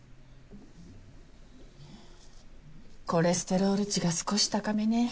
コレステロール値が少し高めね。